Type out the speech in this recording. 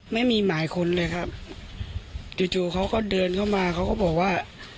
ไม่มีหมายค้นเลยครับจู่จู่เขาก็เดินเข้ามาเขาก็บอกว่า